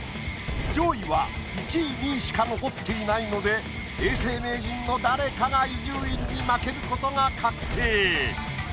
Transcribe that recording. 上位は１位２位しか残っていないので永世名人の誰かが伊集院に負けることが確定。